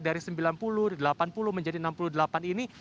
dari sembilan puluh delapan puluh menjadi enam puluh delapan ini